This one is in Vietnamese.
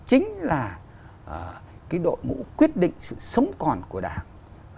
chính là đội ngũ quyết định sự sống còn của đảng